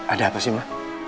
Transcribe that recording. ada apa sih ma